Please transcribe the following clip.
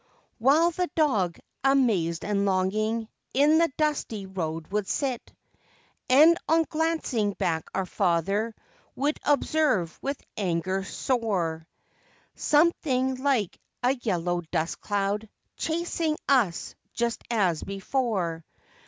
While the dog, amazed and longing, in the dusty road would sit. And on glancing back our father would observe, with anger sore. Something, like a yellow dust cloud, chas¬ ing us just as before.